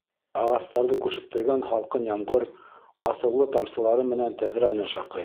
Ағастарҙы күшектергән һалҡын ямғыр асыулы тамсылары менән тәҙрәне шаҡый.